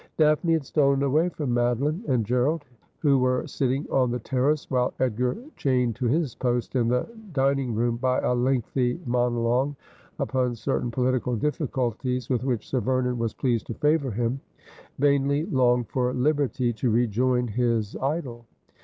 Daphne had stolen away from Mado line and Gerald, who were sitting on the terrace, while Edgar, chained to his post in the dining room by a lengthy monologue upon certain political difficulties, with which Sir Yernon was pleased to favour him, vainly longed for liberty to rejoin his idol.